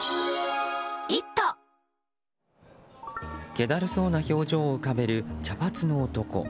けだるそうな表情を浮かべる茶髪の男。